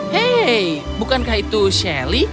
hei bukankah itu sally